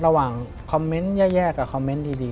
ระหว่างคอมเมนต์แย่กับคอมเมนต์ดี